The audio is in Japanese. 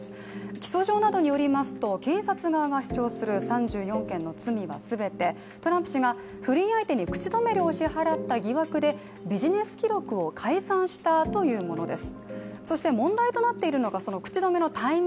起訴状などによりますと検察側が主張する３４件の罪は全て、トランプ氏が不倫相手に口止め料を支払った疑惑でビジネス記録を改ざんしたというものです。